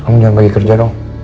kamu jangan bagi kerja dong